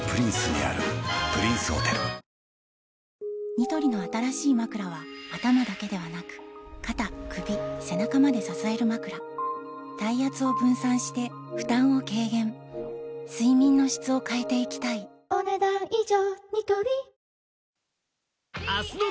ニトリの新しいまくらは頭だけではなく肩・首・背中まで支えるまくら体圧を分散して負担を軽減睡眠の質を変えていきたいお、ねだん以上。